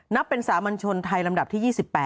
นับเป็นสามัญชนไทยลำดับที่๒๘